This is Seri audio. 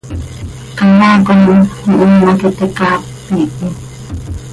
Canoaa com ihiin hac iti caap iihi.